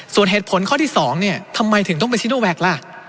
ส่วนเหตุผลข้อที่สองเนี่ยทำไมถึงต้องเป็นชี้นูแว็กล่ะ